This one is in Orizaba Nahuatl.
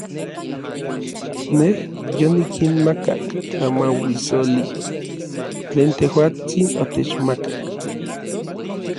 Nej yonikinmakak tlamauissoli tlen tejuatsin otechmakak.